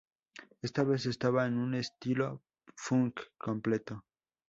Esta vez, estaba en un estilo funk completo.